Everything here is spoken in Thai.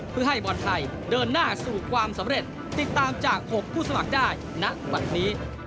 เพื่อให้บอลไทยเดินหน้าสู่ความสำเร็จติดตามจาก๖ผู้สมัครได้ณบัตรนี้